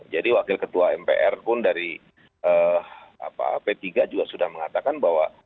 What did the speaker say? wakil ketua mpr pun dari p tiga juga sudah mengatakan bahwa